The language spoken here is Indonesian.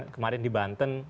kemarin di banten